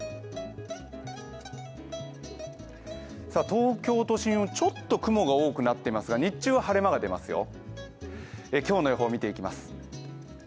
東京都心はちょっと雲が多くなっていますが、日中は晴れ間が出ますよ。